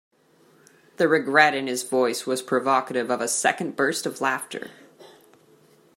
The regret in his voice was provocative of a second burst of laughter.